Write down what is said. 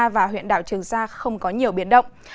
và huyện đảo trường sa không có nhiều biển động